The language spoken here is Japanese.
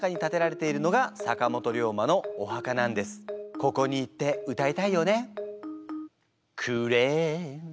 ここに行って歌いたいよね。